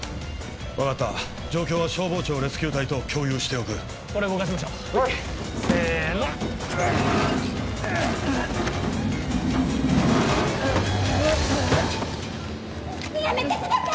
分かった状況は消防庁レスキュー隊と共有しておくこれ動かしましょうせーのうんっやめてください！